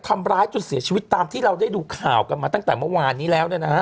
ทำร้ายจนเสียชีวิตตามที่เราได้ดูข่าวกันมาตั้งแต่เมื่อวานนี้แล้วเนี่ยนะฮะ